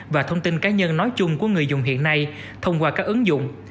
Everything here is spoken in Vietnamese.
và thông tin cá nhân nói chung của người dùng hiện nay thông qua các ứng dụng